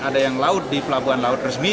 ada yang laut di pelabuhan laut resmi